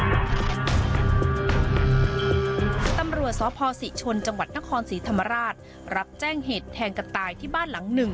แต่ตำรวจพศพศีชนจังหวัดนครสีธรรมราชรับแจ้งเหตุแทงกระตายที่บ้านหลัง๑